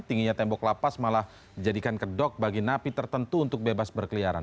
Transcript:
tingginya tembok lapas malah dijadikan kedok bagi napi tertentu untuk bebas berkeliaran